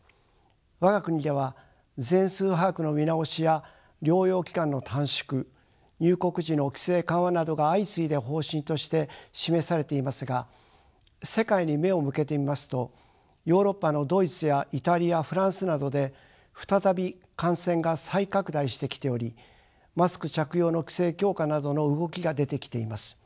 我が国では全数把握の見直しや療養期間の短縮入国時の規制緩和などが相次いで方針として示されていますが世界に目を向けてみますとヨーロッパのドイツやイタリアフランスなどで再び感染が再拡大してきておりマスク着用の規制強化などの動きが出てきています。